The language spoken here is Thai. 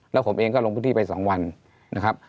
แล้วผมเองก็ลงพื้นที่ไป๒วันนะครับ